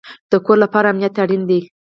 د کور لپاره امنیت اړین دی